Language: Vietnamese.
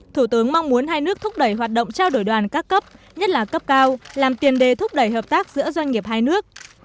thủ tướng mong muốn hai nước thúc đẩy hoạt động trao đổi đoàn các cấp nhất là cấp cao làm tiền đề thúc đẩy hợp tác giữa doanh nghiệp hai nước